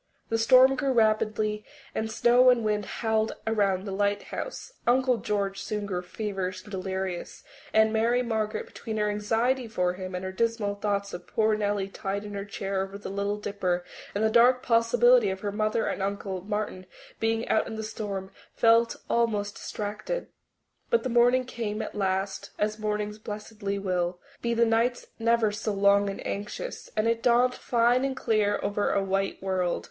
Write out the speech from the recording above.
The storm grew rapidly worse, and snow and wind howled around the lighthouse. Uncle George soon grew feverish and delirious, and Mary Margaret, between her anxiety for him and her dismal thoughts of poor Nellie tied in her chair over at the Little Dipper, and the dark possibility of her mother and Uncle Martin being out in the storm, felt almost distracted. But the morning came at last, as mornings blessedly will, be the nights never so long and anxious, and it dawned fine and clear over a white world.